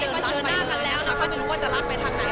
ผู้สั่งให้เดินมาเชื้อหน้ากันแล้ว